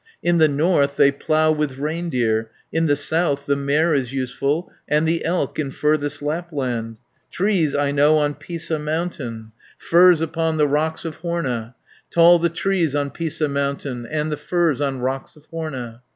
In the north they plough with reindeer, In the south the mare is useful, And the elk In furthest Lapland. 170 "Trees I know on Pisa mountain, Firs upon the rocks of Horna, Tall the trees on Pisa mountain, And the firs on rocks of Horna.